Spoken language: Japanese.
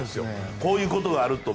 こういうことがあると。